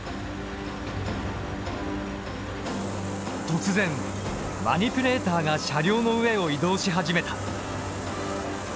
突然マニピュレーターが車両の上を移動し始めた。